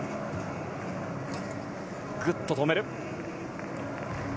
ぐっと止める。